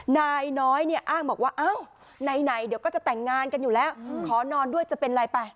นายน้อยเนี่ยอ้างบอกว่าอ้าวไหนเดี๋ยวก็จะแต่งงานกันอยู่แล้วขอนอนด้วยจะเป็นอะไรไป